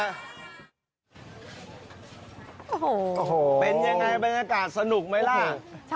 อันนี้เป็นยังไงภายกาลสนุกไหมล่ะ